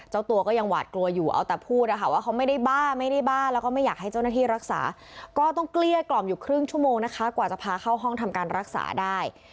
เจ้าตัวก็ยังหวาดกลัวอยู่เอาแต่พูดนะคะว่าเขาไม่ได้บ้าไม่ได้บ้าแล้วก็ไม่อยากให้เจ้าหน้าที่รักษาก็ต้องเกลี้ยกล่อมอยู่ครึ่งชั่วโมงนะคะกว่าจะพาเข้าห้องทำการรักษาได้